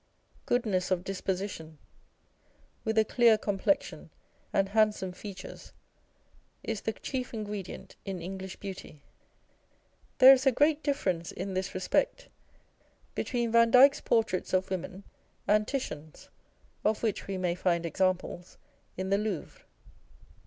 Goodness of disposition, with a clear complexion and handsome features, is the chief ingredient in English beauty. There is a great difference in this respect between Vandyke's portraits of Women and Titian's, of which we may find examples in the Louvre.